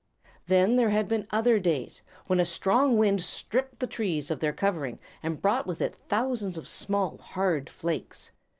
Then there had been other days, when a strong wind stripped the trees of their covering, and brought with it thousands of small, hard flakes.